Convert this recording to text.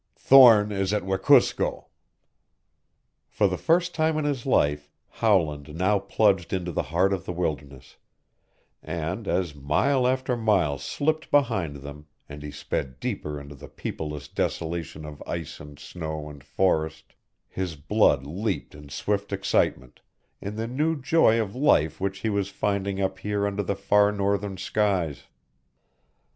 "Thorne is at Wekusko." For the first time in his life Howland now plunged into the heart of the wilderness, and as mile after mile slipped behind them and he sped deeper into the peopleless desolation of ice and snow and forest his blood leaped in swift excitement, in the new joy of life which he was finding up here under the far northern skies.